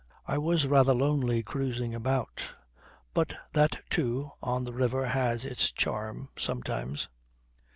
I was rather lonely cruising about; but that, too, on the river has its charm, sometimes.